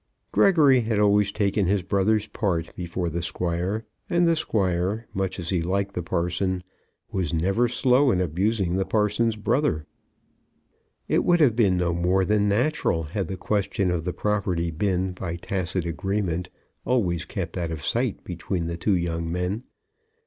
Gregory had always taken his brother's part before the Squire; and the Squire, much as he liked the parson, was never slow in abusing the parson's brother. It would have been no more than natural had the question of the property been, by tacit agreement, always kept out of sight between the two young men.